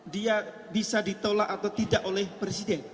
dia bisa ditolak atau tidak oleh presiden